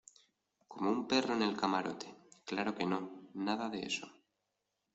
como un perro en el camarote. claro que no, nada de eso .